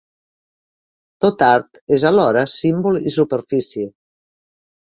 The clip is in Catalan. Tot art és alhora símbol i superfície.